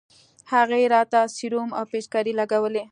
هغې راته سيروم او پيچکارۍ لګولې.